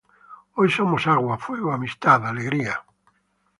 Hoy somos agua, fuego, amistad, alegría.